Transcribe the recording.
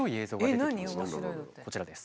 こちらです。